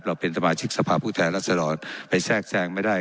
เราเป็นสมาชิกสภาพฤทธิรัฐศร้อนไปแทกแทกไม่ได้